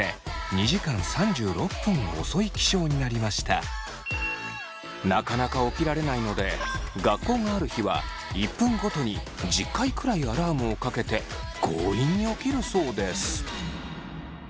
結局布団から出たのはなかなか起きられないので学校がある日は１分ごとに１０回くらいアラームをかけて強引に起きるそうです。